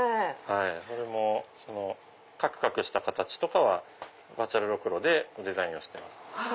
それもカクカクした形とかはバーチャルろくろでデザインをしてます。